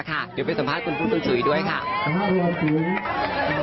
ค่ะก็สวัสดีแฟนไทยรัฐขอบคุณที่มาติดตาม